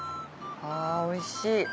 あおいしい。